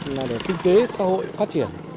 là để kinh tế xã hội phát triển